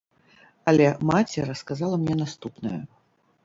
Але маці расказала мне наступнае.